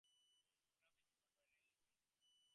Graphics were by Ray Owen.